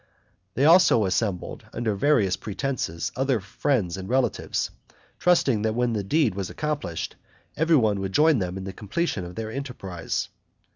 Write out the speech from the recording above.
They also assembled, under various pretenses, other friends and relatives, trusting that when the deed was accomplished, everyone would join them in the completion of their enterprise.